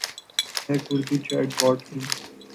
میں ایک Urdu chat bot ہوں۔